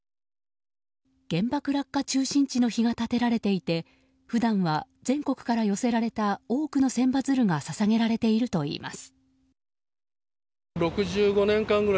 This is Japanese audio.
原爆落下中心地の碑が建てられていて普段は、全国から寄せられた多くの千羽鶴が捧げられているといいます。